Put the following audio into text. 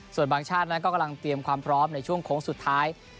ส่วนบางชาติก็กำลังในช่วงโค้งสุดท้าย